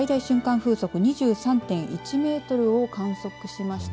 風速２３．１メートルを観測しました。